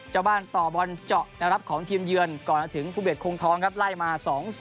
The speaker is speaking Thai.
เจ้าบ้านต่อบอลเจาะแนวรับของทีมเยือนก่อนจะถึงภูเดชคงทองครับไล่มา๒๐